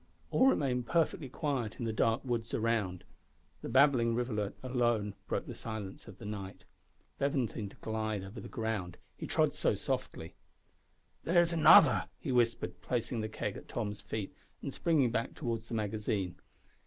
All remained perfectly quiet in the dark woods around. The babbling rivulet alone broke the silence of the night. Bevan seemed to glide over the ground, he trod so softly. "There's another," he whispered, placing the keg at Tom's feet, and springing back towards the magazine.